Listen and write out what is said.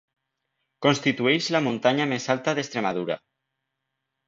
Constitueix la muntanya més alta d'Extremadura.